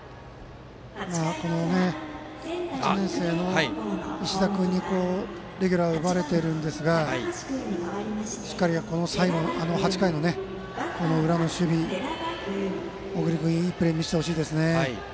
１年生の石田君にレギュラーを奪われているんですがしっかり最後８回の浦和学院の守備小栗君、いいプレーを見せてほしいです。